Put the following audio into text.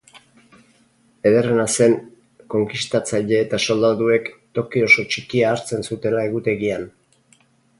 Ederrena zen konkistatzaile eta soldaduek toki oso txikia hartzen zutela egutegian.